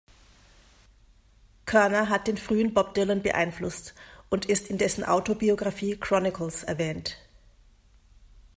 Koerner hat den frühen Bob Dylan beeinflusst und ist in dessen Autobiographie "Chronicles" erwähnt.